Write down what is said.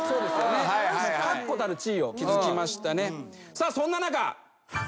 さあそんな中。